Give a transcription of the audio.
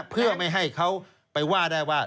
เพื่อไม่ให้เขาไปว่าได้ว่า